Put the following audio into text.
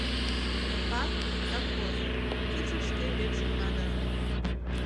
Япар — завхоз, «кидше шке векше кадыр».